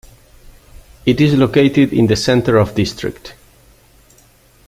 It is located in the center of district.